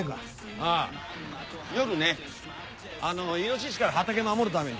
あぁ夜ねイノシシから畑守るために。